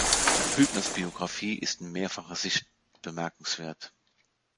Hübners Biografie ist in mehrfacher Sicht bemerkenswert.